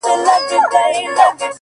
چي واکداران مو د سرونو په زاريو نه سي؛